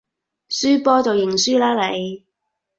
輸波就認輸啦你